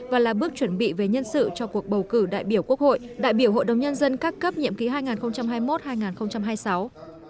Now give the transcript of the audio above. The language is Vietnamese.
và là bước chuẩn bị về nhân sự cho cuộc bầu cử đại biểu quốc hội đại biểu hội đồng nhân dân các cấp nhiệm ký hai nghìn hai mươi một hai nghìn hai mươi sáu